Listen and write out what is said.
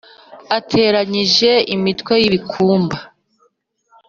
ateranyije imitwe y’ibikumba